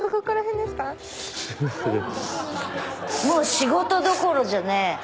もう仕事どころじゃねえ。